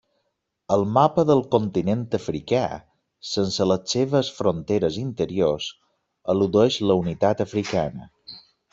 El mapa del continent africà, sense les seves fronteres interiors, eludeix a la unitat africana.